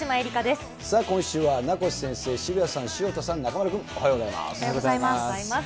さあ今週は名越先生、渋谷さん、潮田さん、中丸君、おはようございます。